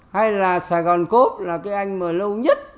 hay là sài gòn cốp là cái anh mà lâu nhất